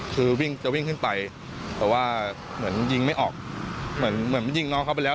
คือวิ่งจะวิ่งขึ้นไปแต่ว่าเหมือนยิงไม่ออกเหมือนเหมือนยิงน้องเขาไปแล้ว